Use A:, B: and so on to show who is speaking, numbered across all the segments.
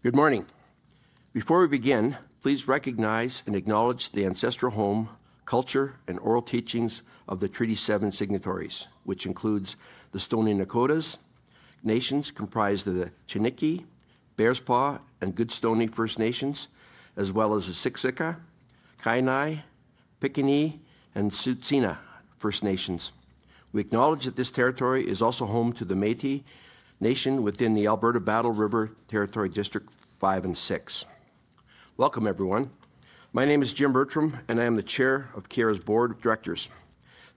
A: Good morning. Before we begin, please recognize and acknowledge the ancestral home, culture, and oral teachings of the Treaty 7 signatories, which includes the Stoney-Nakodas, nations comprised of the Chiniki, Bearspaw, and Goodstoney First Nations, as well as the Siksika, Kainai, Piikani, and Tsuu T'ina First Nations. We acknowledge that this territory is also home to the Métis Nation within the Alberta Battle River Territory District five and six. Welcome, everyone. My name is Jim Bertram, and I am the chair of Keyera's board of directors.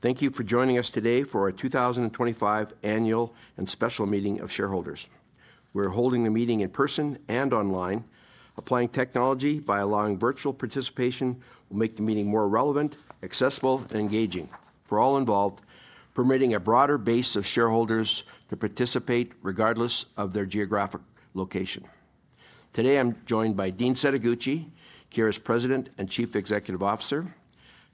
A: Thank you for joining us today for our 2025 annual and special meeting of shareholders. We're holding the meeting in person and online. Applying technology by allowing virtual participation will make the meeting more relevant, accessible, and engaging for all involved, permitting a broader base of shareholders to participate regardless of their geographic location. Today, I'm joined by Dean Setoguchi, Keyera's President and Chief Executive Officer;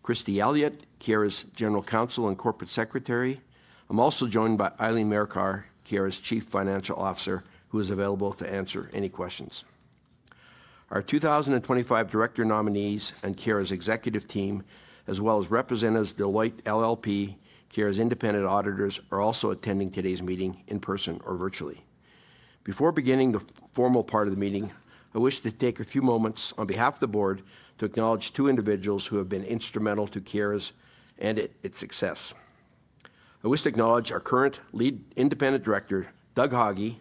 A: Christy Elliott, Keyera's General Counsel and Corporate Secretary. I'm also joined by Eileen Marikar, Keyera's Chief Financial Officer, who is available to answer any questions. Our 2025 director nominees and Keyera's executive team, as well as representatives from Deloitte LLP, Keyera's independent auditors, are also attending today's meeting in person or virtually. Before beginning the formal part of the meeting, I wish to take a few moments on behalf of the board to acknowledge two individuals who have been instrumental to Keyera and its success. I wish to acknowledge our current Lead Independent Director, Doug Haughey,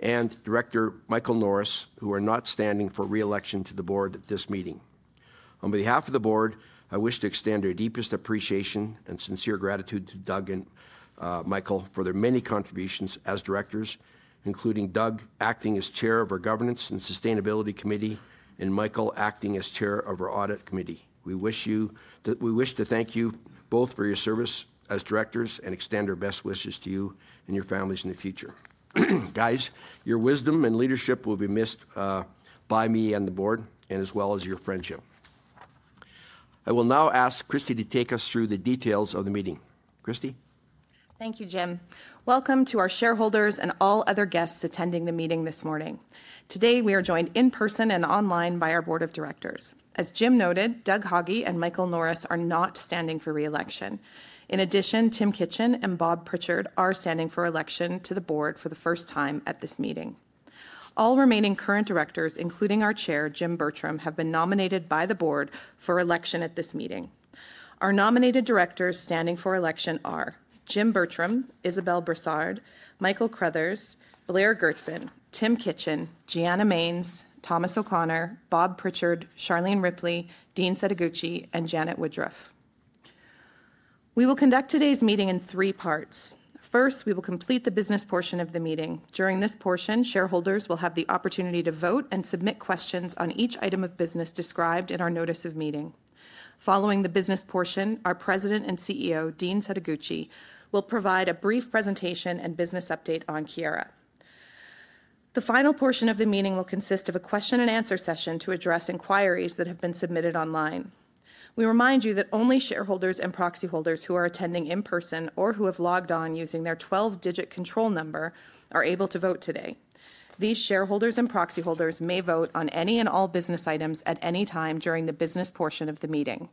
A: and Director, Michael Norris, who are not standing for reelection to the board at this meeting. On behalf of the board, I wish to extend our deepest appreciation and sincere gratitude to Doug and Michael for their many contributions as directors, including Doug acting as chair of our Governance and Sustainability Committee and Michael acting as chair of our Audit Committee. We wish to thank you both for your service as directors and extend our best wishes to you and your families in the future. Guys, your wisdom and leadership will be missed by me and the board, as well as your friendship. I will now ask Christy to take us through the details of the meeting. Christy.
B: Thank you, Jim. Welcome to our shareholders and all other guests attending the meeting this morning. Today, we are joined in person and online by our board of directors. As Jim noted, Doug Haughey and Michael Norris are not standing for reelection. In addition, Tim Kitchen and Bob Pritchard are standing for election to the board for the first time at this meeting. All remaining current directors, including our Chair, Jim Bertram, have been nominated by the board for election at this meeting. Our nominated directors standing for election are Jim Bertram, Isabelle Brassard, Michael Crothers, Blair Goertzen, Tim Kitchen, Gianna Manes, Thomas O'Connor, Bob Pritchard, Charlene Ripley, Dean Setoguchi, and Janet Woodruff. We will conduct today's meeting in three parts. First, we will complete the business portion of the meeting. During this portion, shareholders will have the opportunity to vote and submit questions on each item of business described in our notice of meeting. Following the business portion, our President and CEO, Dean Setoguchi, will provide a brief presentation and business update on Keyera. The final portion of the meeting will consist of a question and answer session to address inquiries that have been submitted online. We remind you that only shareholders and proxy holders who are attending in person or who have logged on using their 12-digit control number are able to vote today. These shareholders and proxy holders may vote on any and all business items at any time during the business portion of the meeting.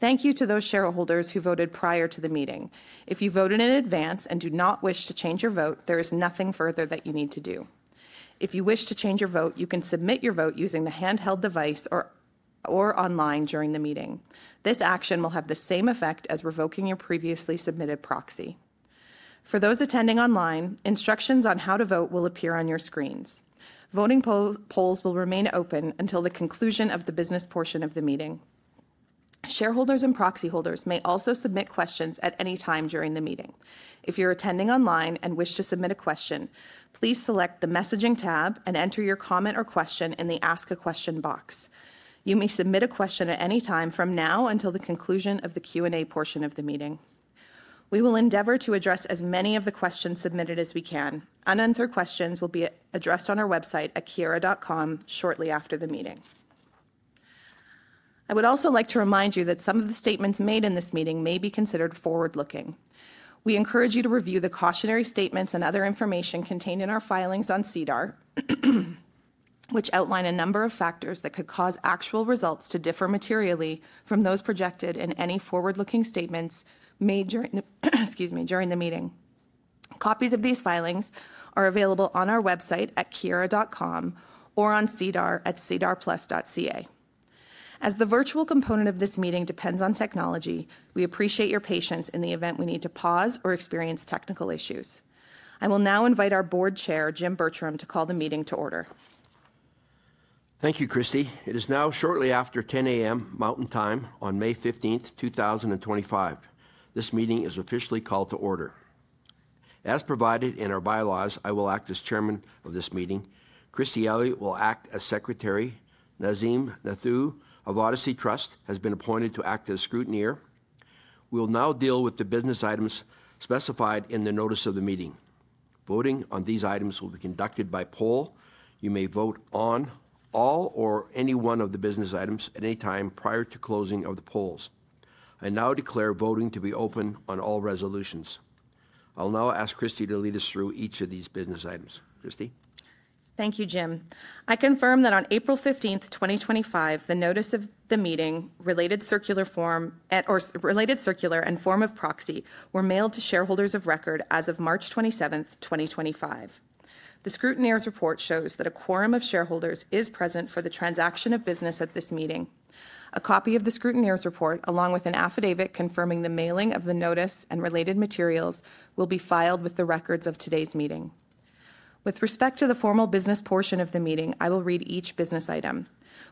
B: Thank you to those shareholders who voted prior to the meeting. If you voted in advance and do not wish to change your vote, there is nothing further that you need to do. If you wish to change your vote, you can submit your vote using the handheld device or online during the meeting. This action will have the same effect as revoking your previously submitted proxy. For those attending online, instructions on how to vote will appear on your screens. Voting polls will remain open until the conclusion of the business portion of the meeting. Shareholders and proxy holders may also submit questions at any time during the meeting. If you're attending online and wish to submit a question, please select the messaging tab and enter your comment or question in the Ask a Question box. You may submit a question at any time from now until the conclusion of the Q&A portion of the meeting. We will endeavor to address as many of the questions submitted as we can. Unanswered questions will be addressed on our website at keyera.com shortly after the meeting. I would also like to remind you that some of the statements made in this meeting may be considered forward-looking. We encourage you to review the cautionary statements and other information contained in our filings on SEDAR, which outline a number of factors that could cause actual results to differ materially from those projected in any forward-looking statements made during, excuse me, during the meeting. Copies of these filings are available on our website at keyera.com or on SEDAR at sedarplus.ca. As the virtual component of this meeting depends on technology, we appreciate your patience in the event we need to pause or experience technical issues. I will now invite our Board Chair, Jim Bertram, to call the meeting to order.
A: Thank you, Christy. It is now shortly after 10:00 A.M. Mountain Time on May 15th, 2025. This meeting is officially called to order. As provided in our bylaws, I will act as chairman of this meeting. Christy Elliott will act as secretary. Nazim Nathoo of Odyssey Trust has been appointed to act as scrutineer. We will now deal with the business items specified in the notice of the meeting. Voting on these items will be conducted by poll. You may vote on all or any one of the business items at any time prior to closing of the polls. I now declare voting to be open on all resolutions. I'll now ask Christy to lead us through each of these business items. Christy.
B: Thank you, Jim. I confirm that on April 15th, 2025, the notice of the meeting related circular form and or related circular and form of proxy were mailed to shareholders of record as of March 27th, 2025. The scrutineer's report shows that a quorum of shareholders is present for the transaction of business at this meeting. A copy of the scrutineer's report, along with an affidavit confirming the mailing of the notice and related materials, will be filed with the records of today's meeting. With respect to the formal business portion of the meeting, I will read each business item.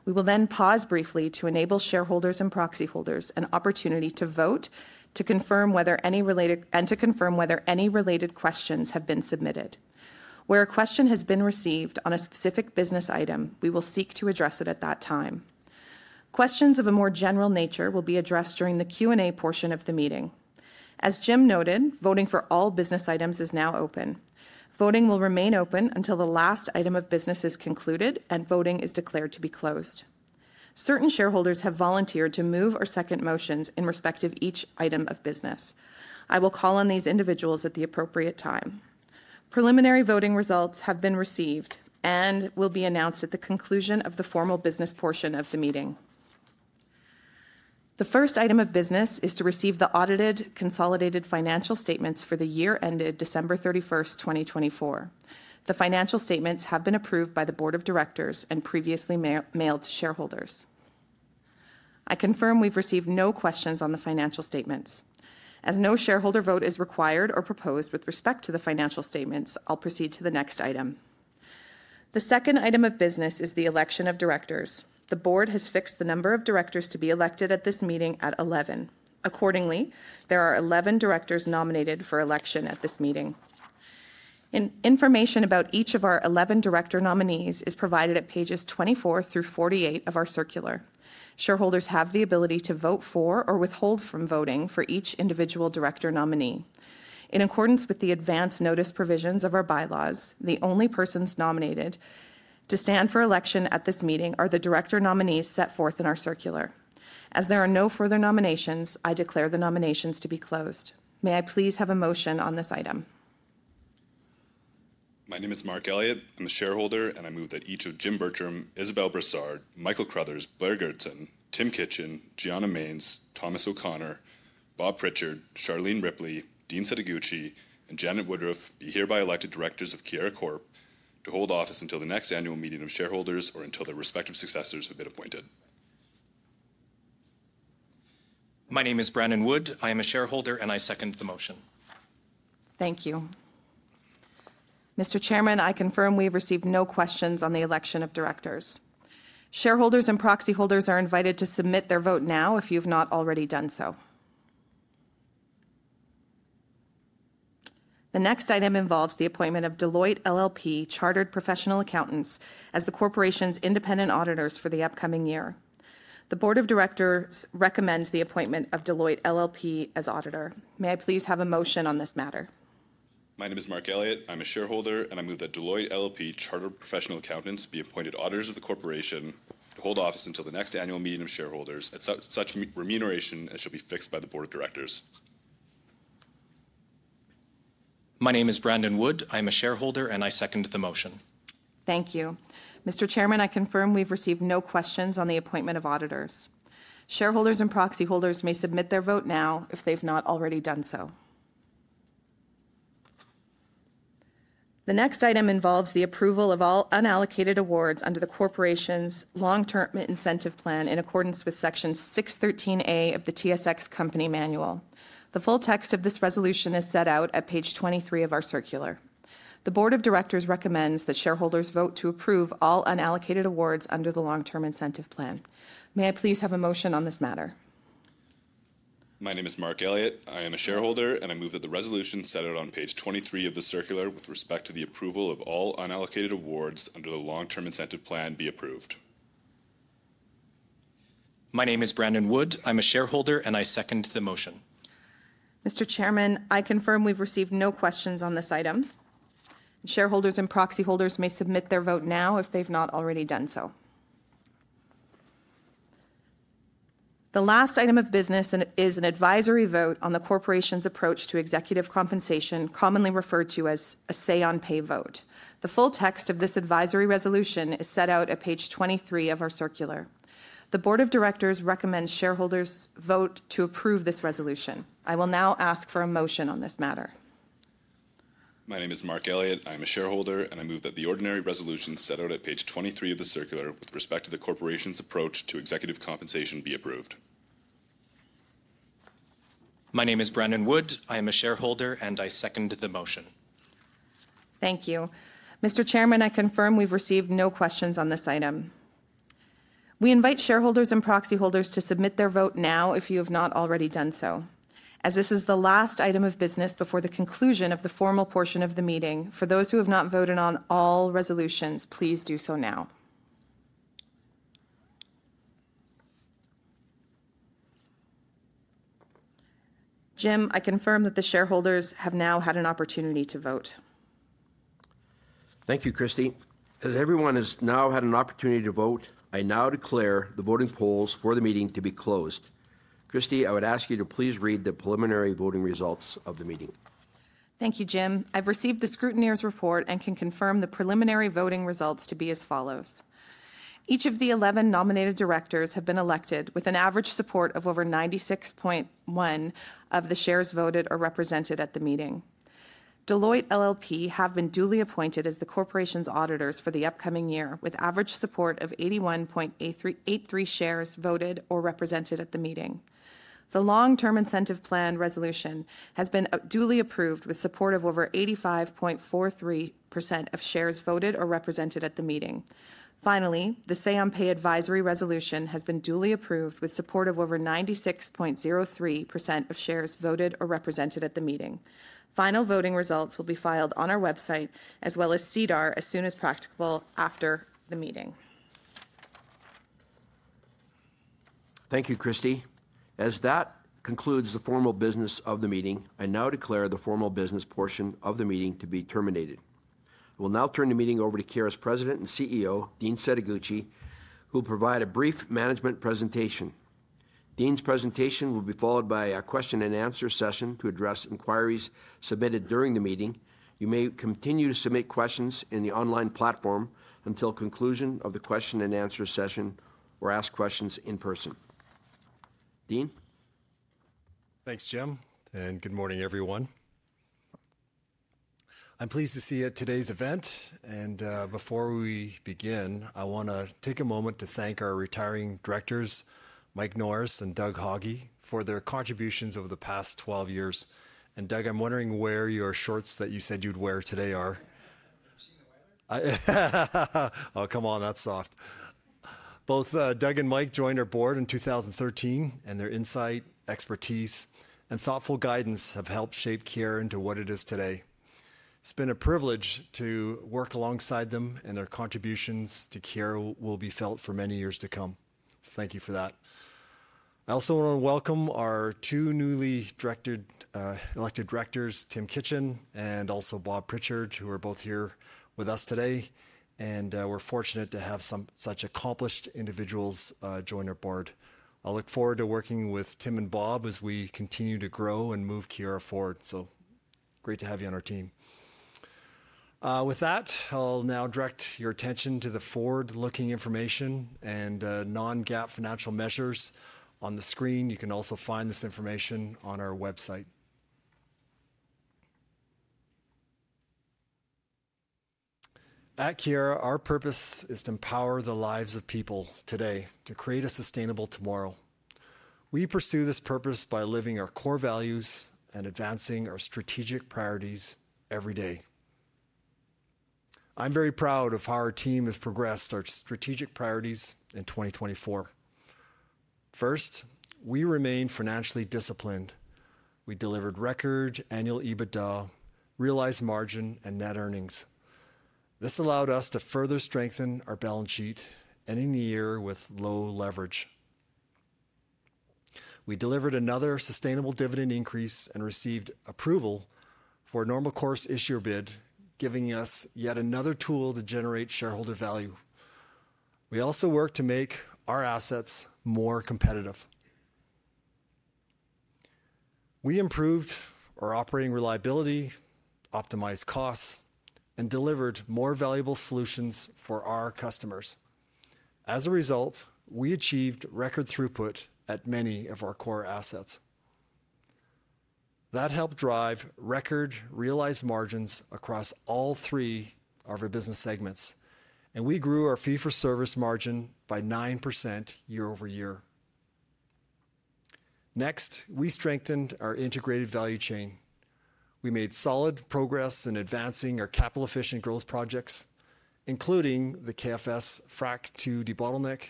B: We will then pause briefly to enable shareholders and proxy holders an opportunity to vote, to confirm whether any related and to confirm whether any related questions have been submitted. Where a question has been received on a specific business item, we will seek to address it at that time. Questions of a more general nature will be addressed during the Q&A portion of the meeting. As Jim noted, voting for all business items is now open. Voting will remain open until the last item of business is concluded and voting is declared to be closed. Certain shareholders have volunteered to move or second motions in respect of each item of business. I will call on these individuals at the appropriate time. Preliminary voting results have been received and will be announced at the conclusion of the formal business portion of the meeting. The first item of business is to receive the audited consolidated financial statements for the year ended December 31st, 2024. The financial statements have been approved by the board of directors and previously mailed to shareholders. I confirm we've received no questions on the financial statements. As no shareholder vote is required or proposed with respect to the financial statements, I'll proceed to the next item. The second item of business is the election of directors. The board has fixed the number of directors to be elected at this meeting at 11. Accordingly, there are 11 directors nominated for election at this meeting. Information about each of our 11 director nominees is provided at pages 24 through 48 of our circular. Shareholders have the ability to vote for or withhold from voting for each individual director nominee. In accordance with the advance notice provisions of our bylaws, the only persons nominated to stand for election at this meeting are the director nominees set forth in our circular. As there are no further nominations, I declare the nominations to be closed. May I please have a motion on this item?
C: My name is Mark Elliott. I'm a shareholder, and I move that each of Jim Bertram, Isabelle Brassard, Michael Crothers, Blair Goertzen, Tim Kitchen, Gianna Manes, Thomas O'Connor, Bob Pritchard, Charlene Ripley, Dean Setoguchi, and Janet Woodruff be hereby elected directors of Keyera Corp. to hold office until the next annual meeting of shareholders or until their respective successors have been appointed.
D: My name is Brandon Wood. I am a shareholder, and I second the motion.
B: Thank you. Mr. Chairman, I confirm we've received no questions on the election of directors. Shareholders and proxy holders are invited to submit their vote now if you've not already done so. The next item involves the appointment of Deloitte LLP Chartered Professional Accountants as the corporation's independent auditors for the upcoming year. The board of directors recommends the appointment of Deloitte LLP as auditor. May I please have a motion on this matter?
C: My name is Mark Elliott. I'm a shareholder, and I move that Deloitte LLP Chartered Professional Accountants be appointed auditors of the corporation to hold office until the next annual meeting of shareholders at such remuneration as shall be fixed by the board of directors.
D: My name is Brandon Wood. I'm a shareholder, and I second the motion.
B: Thank you. Mr. Chairman, I confirm we've received no questions on the appointment of auditors. Shareholders and proxy holders may submit their vote now if they've not already done so. The next item involves the approval of all unallocated awards under the corporation's long-term incentive plan in accordance with Section 613A of the TSX Company Manual. The full text of this resolution is set out at page 23 of our circular. The board of directors recommends that shareholders vote to approve all unallocated awards under the long-term incentive plan. May I please have a motion on this matter?
C: My name is Mark Elliott. I am a shareholder, and I move that the resolution set out on page 23 of the circular with respect to the approval of all unallocated awards under the long-term incentive plan be approved.
D: My name is Brandon Wood. I'm a shareholder, and I second the motion.
B: Mr. Chairman, I confirm we've received no questions on this item. Shareholders and proxy holders may submit their vote now if they've not already done so. The last item of business is an advisory vote on the corporation's approach to executive compensation, commonly referred to as a say-on-pay vote. The full text of this advisory resolution is set out at page 23 of our circular. The board of directors recommends shareholders vote to approve this resolution. I will now ask for a motion on this matter.
C: My name is Mark Elliott. I'm a shareholder, and I move that the ordinary resolution set out at page 23 of the circular with respect to the corporation's approach to executive compensation be approved.
D: My name is Brandon Wood. I am a shareholder, and I second the motion.
B: Thank you. Mr. Chairman, I confirm we've received no questions on this item. We invite shareholders and proxy holders to submit their vote now if you have not already done so. As this is the last item of business before the conclusion of the formal portion of the meeting, for those who have not voted on all resolutions, please do so now. Jim, I confirm that the shareholders have now had an opportunity to vote.
A: Thank you, Christy. As everyone has now had an opportunity to vote, I now declare the voting polls for the meeting to be closed. Christy, I would ask you to please read the preliminary voting results of the meeting.
B: Thank you, Jim. I've received the scrutineer's report and can confirm the preliminary voting results to be as follows. Each of the 11 nominated directors have been elected with an average support of over 96.1% of the shares voted or represented at the meeting. Deloitte LLP have been duly appointed as the corporation's auditors for the upcoming year with average support of 81.83% of shares voted or represented at the meeting. The long-term incentive plan resolution has been duly approved with support of over 85.43% of shares voted or represented at the meeting. Finally, the say-on-pay advisory resolution has been duly approved with support of over 96.03% of shares voted or represented at the meeting. Final voting results will be filed on our website as well as SEDAR as soon as practicable after the meeting.
A: Thank you, Christy. As that concludes the formal business of the meeting, I now declare the formal business portion of the meeting to be terminated. I will now turn the meeting over to Keyera's President and CEO, Dean Setoguchi, who will provide a brief management presentation. Dean's presentation will be followed by a question and answer session to address inquiries submitted during the meeting. You may continue to submit questions in the online platform until conclusion of the question and answer session or ask questions in person. Dean?
E: Thanks, Jim. Good morning, everyone. I'm pleased to see today's event. Before we begin, I want to take a moment to thank our retiring directors, Mike Norris and Doug Haughey, for their contributions over the past 12 years. Doug, I'm wondering where your shorts that you said you'd wear today are. Oh, come on, that's soft. Both Doug and Mike joined our board in 2013, and their insight, expertise, and thoughtful guidance have helped shape Keyera into what it is today. It's been a privilege to work alongside them, and their contributions to Keyera will be felt for many years to come. Thank you for that. I also want to welcome our two newly elected directors, Tim Kitchen and also Bob Pritchard, who are both here with us today. We're fortunate to have such accomplished individuals join our board. I look forward to working with Tim and Bob as we continue to grow and move Keyera forward. Great to have you on our team. With that, I'll now direct your attention to the forward-looking information and non-GAAP financial measures on the screen. You can also find this information on our website. At Keyera, our purpose is to empower the lives of people today to create a sustainable tomorrow. We pursue this purpose by living our core values and advancing our strategic priorities every day. I'm very proud of how our team has progressed our strategic priorities in 2024. First, we remain financially disciplined. We delivered record annual EBITDA, realized margin, and net earnings. This allowed us to further strengthen our balance sheet ending the year with low leverage. We delivered another sustainable dividend increase and received approval for a normal course issuer bid, giving us yet another tool to generate shareholder value. We also worked to make our assets more competitive. We improved our operating reliability, optimized costs, and delivered more valuable solutions for our customers. As a result, we achieved record throughput at many of our core assets. That helped drive record realized margins across all three of our business segments, and we grew our fee-for-service margin by 9% year over year. Next, we strengthened our integrated value chain. We made solid progress in advancing our capital-efficient growth projects, including the KFS FRAC II debottleneck,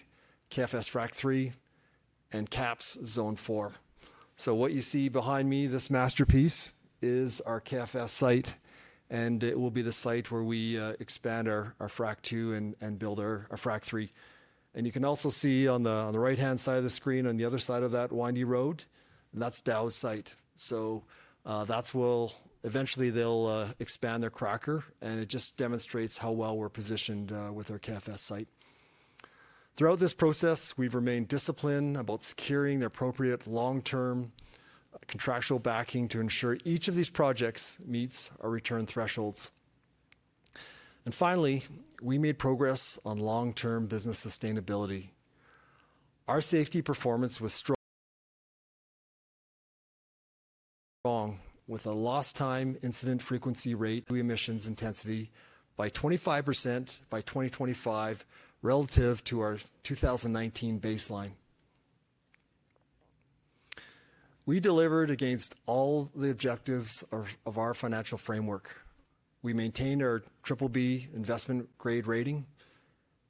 E: KFS FRAC III, and KAPS Zone 4. What you see behind me, this masterpiece, is our KFS site, and it will be the site where we expand our FRAC II and build our FRAC III. You can also see on the right-hand side of the screen, on the other side of that windy road, that's Dow's site. That's where eventually they'll expand their cracker, and it just demonstrates how well we're positioned with our KFS site. Throughout this process, we've remained disciplined about securing the appropriate long-term contractual backing to ensure each of these projects meets our return thresholds. Finally, we made progress on long-term business sustainability. Our safety performance was strong with a lost-time incident frequency rate, emissions intensity by 25% by 2025 relative to our 2019 baseline. We delivered against all the objectives of our financial framework. We maintained our BBB investment grade rating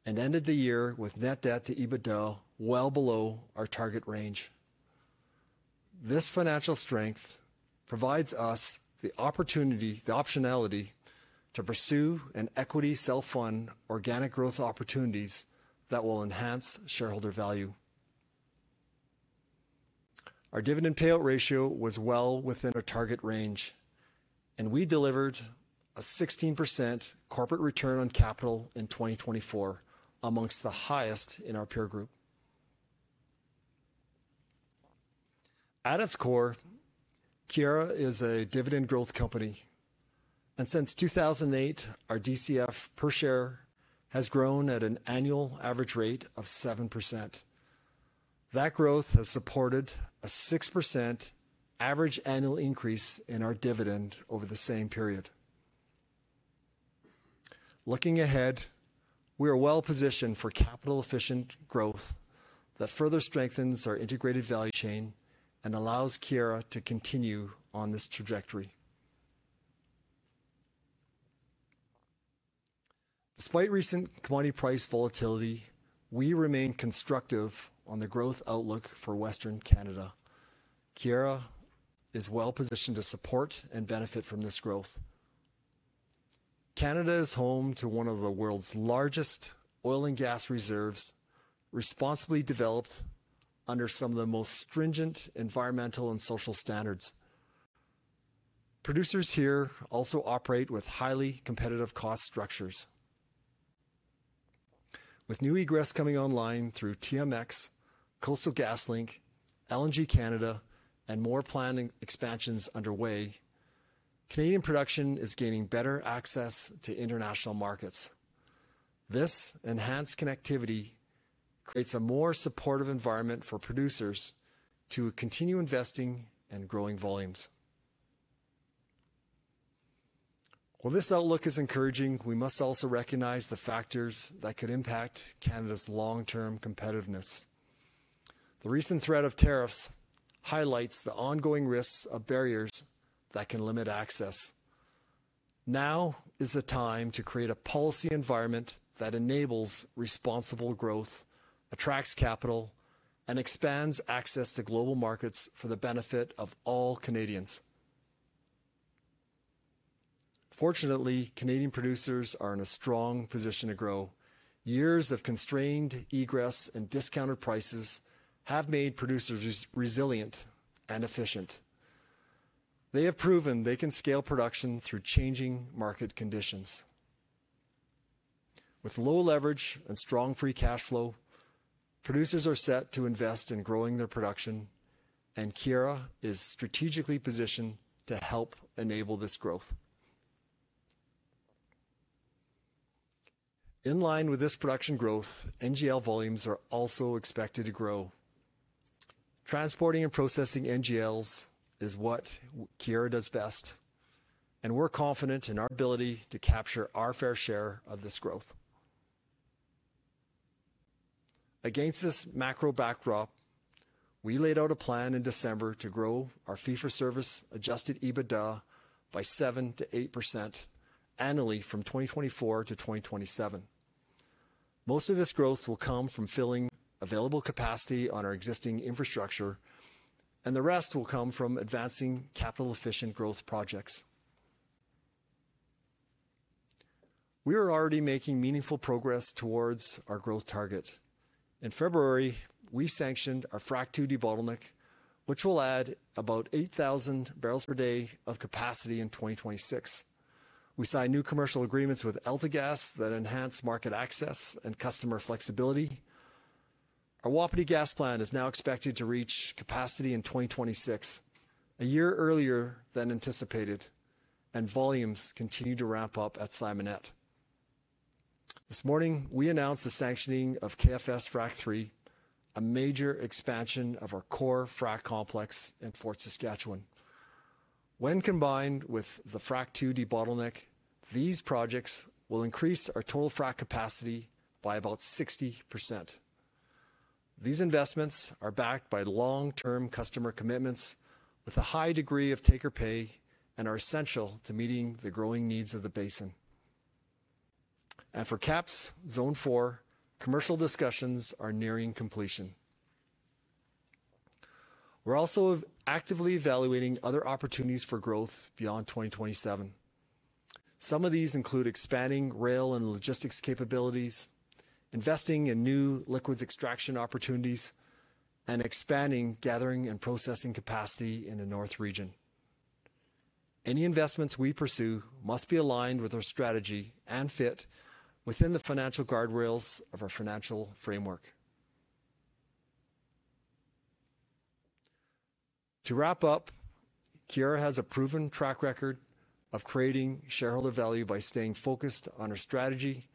E: and ended the year with net debt to EBITDA well below our target range. This financial strength provides us the opportunity, the optionality to pursue an equity self-fund organic growth opportunities that will enhance shareholder value. Our dividend payout ratio was well within our target range, and we delivered a 16% corporate return on capital in 2024, amongst the highest in our peer group. At its core, Keyera is a dividend growth company. Since 2008, our DCF per share has grown at an annual average rate of 7%. That growth has supported a 6% average annual increase in our dividend over the same period. Looking ahead, we are well positioned for capital-efficient growth that further strengthens our integrated value chain and allows Keyera to continue on this trajectory. Despite recent commodity price volatility, we remain constructive on the growth outlook for Western Canada. Keyera is well positioned to support and benefit from this growth. Canada is home to one of the world's largest oil and gas reserves, responsibly developed under some of the most stringent environmental and social standards. Producers here also operate with highly competitive cost structures. With new egress coming online through TMX, Coastal GasLink, LNG Canada, and more planned expansions underway, Canadian production is gaining better access to international markets. This enhanced connectivity creates a more supportive environment for producers to continue investing and growing volumes. While this outlook is encouraging, we must also recognize the factors that could impact Canada's long-term competitiveness. The recent threat of tariffs highlights the ongoing risks of barriers that can limit access. Now is the time to create a policy environment that enables responsible growth, attracts capital, and expands access to global markets for the benefit of all Canadians. Fortunately, Canadian producers are in a strong position to grow. Years of constrained egress and discounted prices have made producers resilient and efficient. They have proven they can scale production through changing market conditions. With low leverage and strong free cash flow, producers are set to invest in growing their production, and Keyera is strategically positioned to help enable this growth. In line with this production growth, NGL volumes are also expected to grow. Transporting and processing NGLs is what Keyera does best, and we're confident in our ability to capture our fair share of this growth. Against this macro backdrop, we laid out a plan in December to grow our fee-for-service adjusted EBITDA by 7%-8% annually from 2024 to 2027. Most of this growth will come from filling available capacity on our existing infrastructure, and the rest will come from advancing capital-efficient growth projects. We are already making meaningful progress towards our growth target. In February, we sanctioned our FRAC II debottleneck, which will add about 8,000 barrels per day of capacity in 2026. We signed new commercial agreements with Elta Gas that enhance market access and customer flexibility. Our Wapiti Gas plant is now expected to reach capacity in 2026, a year earlier than anticipated, and volumes continue to ramp up at Simonet. This morning, we announced the sanctioning of KFS FRAC III, a major expansion of our core FRAC complex in Fort Saskatchewan. When combined with the FRAC II debottleneck, these projects will increase our total FRAC capacity by about 60%. These investments are backed by long-term customer commitments with a high degree of take-or-pay and are essential to meeting the growing needs of the basin. For KAPS Zone 4, commercial discussions are nearing completion. We're also actively evaluating other opportunities for growth beyond 2027. Some of these include expanding rail and logistics capabilities, investing in new liquids extraction opportunities, and expanding gathering and processing capacity in the North region. Any investments we pursue must be aligned with our strategy and fit within the financial guardrails of our financial framework. To wrap up, Keyera has a proven track record of creating shareholder value by staying focused on our strategy,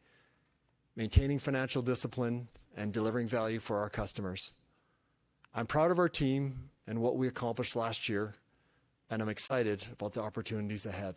E: maintaining financial discipline, and delivering value for our customers. I'm proud of our team and what we accomplished last year, and I'm excited about the opportunities ahead.